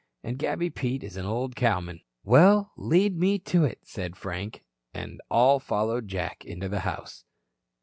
And Gabby Pete is an old cowman." "Well, lead me to it," said Frank, and all followed Jack into the house.